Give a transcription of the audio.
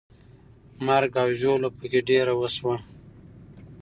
مرګ او ژوبله پکې ډېره وسوه.